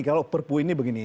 kalau perpu ini begini